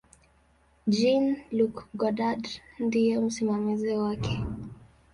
Jean-Luc Godard ndiye msimamizi wake.